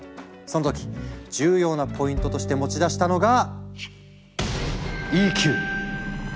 その時重要なポイントとして持ち出したのが「ＥＱ」！